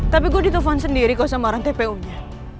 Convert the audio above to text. tapi gue ditelfon sendiri sama orang tpu nya